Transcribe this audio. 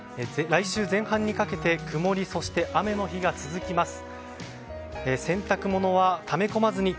来週前半にかけて曇りそして雨の日が続きます。